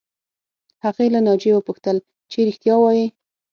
هغې له ناجیې وپوښتل چې رښتیا وایې